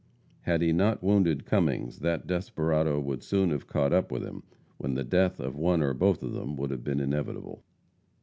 Had he not wounded Cummings, that desperado would soon have come up with him, when the death of one or both of them would have been inevitable.